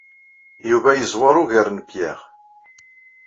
Yuba yeẓwer ugar n Pierre.